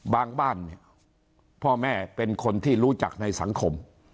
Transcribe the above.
บ้านเนี่ยพ่อแม่เป็นคนที่รู้จักในสังคม